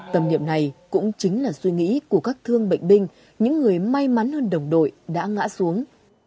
tâm niệm này cũng chính là suy nghĩ của các thương bệnh binh những người may mắn hơn đồng đội đã ngã xuống